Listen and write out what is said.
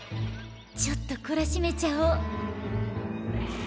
ちょっとこらしめちゃお。